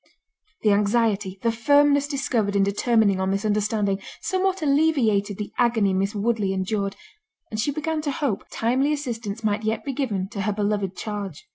The anxiety, the firmness discovered in determining on this understanding, somewhat alleviated the agony Miss Woodley endured, and she began to hope, timely assistance might yet be given to her beloved charge.